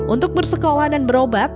untuk bersekolah dan berobat